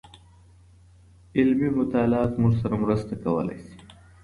علمي مطالعه زموږ سره مرسته کولای سي.